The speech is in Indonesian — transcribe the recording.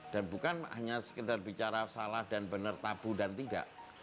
dan bukan hanya sekedar bicara salah dan benar tabu dan tidak